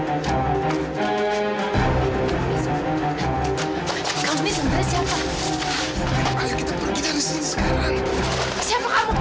masih harus tanya dulu